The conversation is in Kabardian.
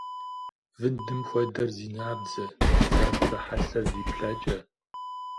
Вындым хуэдэр зи набдзэ, бдзапцӏэ хьэлъэр зи плъэкӏэ.